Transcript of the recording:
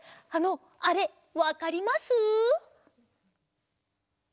あのあれわかります？